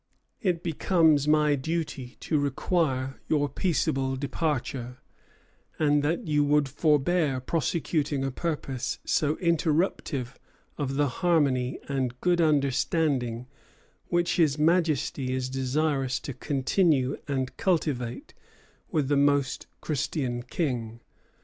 It becomes my duty to require your peaceable departure; and that you would forbear prosecuting a purpose so interruptive of the harmony and good understanding which His Majesty is desirous to continue and cultivate with the Most Christian King.